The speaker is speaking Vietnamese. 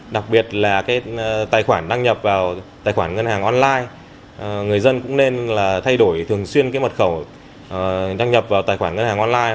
đặc biệt là cái tài khoản đăng nhập vào tài khoản ngân hàng online người dân cũng nên là thay đổi thường xuyên cái mật khẩu đăng nhập vào tài khoản ngân hàng online